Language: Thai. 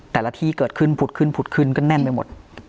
แต่ละที่เกิดขึ้นผุดขึ้นก็แน่นไปหมด